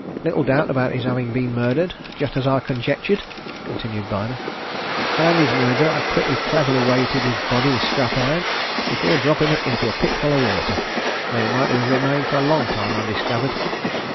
"Little doubt about his having been murdered, just as I conjectured," continued Byner. "And his murderer had pretty cleverly weighted his body with scrap iron, before dropping it into a pit full of water, where it might have remained for a long time undiscovered.